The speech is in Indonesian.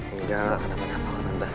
enggak gak kenapa kenapa